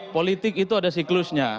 politik itu ada siklusnya